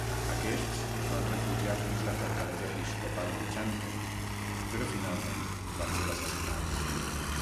Aquests es van refugiar dins la fortalesa episcopal de Xanten, però finalment van ser assassinats.